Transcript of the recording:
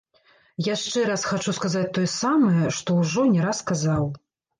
Яшчэ раз хачу сказаць тое самае, што ўжо не раз казаў.